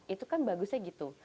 itu kan bagusnya gitu